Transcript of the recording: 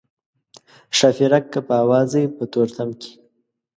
ښاپیرک که په هوا ځي په تورتم کې.